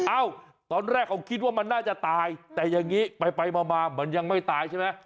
ตอนแรกเขาคิดว่ามันน่าจะตายแต่อย่างนี้ไปมามันยังไม่ตายใช่ไหม